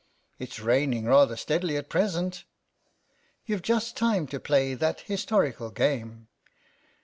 " It's raining rather steadily at present. You've just time to play that historical game."